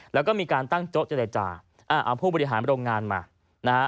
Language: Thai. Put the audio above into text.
แล้วก็มีการตั้งโจ๊ะเจรจาเอาผู้บริหารมาโรงงานมา